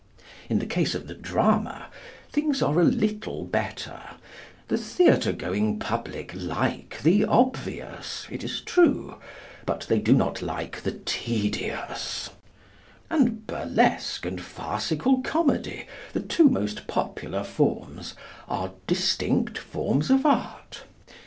In the case of the drama, things are a little better: the theatre going public like the obvious, it is true, but they do not like the tedious; and burlesque and farcical comedy, the two most popular forms, are distinct forms of art.